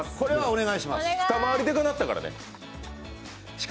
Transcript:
２回り、でかなったからね。